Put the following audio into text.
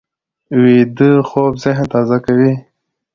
ویده خوب ذهن تازه کوي